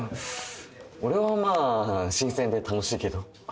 俺はまあ新鮮で楽しいけど。